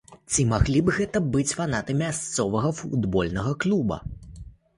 Ці маглі б гэта быць фанаты мясцовага футбольнага клуба?